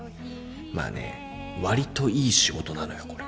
まあねわりといい仕事なのよこれ。